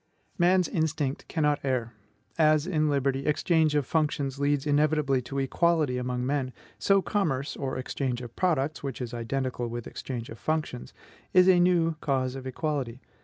Man's instinct cannot err; as, in liberty, exchange of functions leads inevitably to equality among men, so commerce or exchange of products, which is identical with exchange of functions is a new cause of equality.